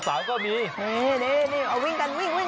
สาวก็มีเออวิ่งกันวิ่งโอ้โฮ